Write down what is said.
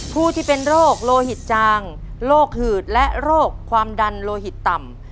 ผู้ที่เป็นโรคโลหิตจางโรคหืดและโรคความดันโลหิตต่ำ